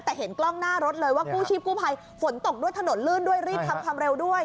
แต่เห็นกล้องหน้ารถเลยว่ากู้ชีพกู้ภัยฝนตกด้วยถนนลื่นด้วยรีบทำความเร็วด้วย